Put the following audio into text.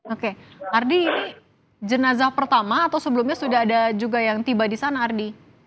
oke ardi ini jenazah pertama atau sebelumnya sudah ada juga yang tiba di sana ardi